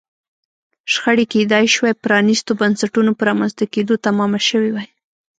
شخړې کېدای شوای پرانیستو بنسټونو په رامنځته کېدو تمامه شوې وای.